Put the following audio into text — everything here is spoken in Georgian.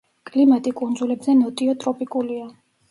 კლიმატი კუნძულებზე ნოტიო ტროპიკულია.